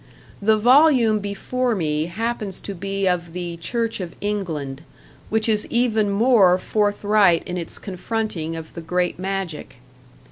The volume before me happens to be of the Church of England, which is even more forthright in its confronting of the Great Magic.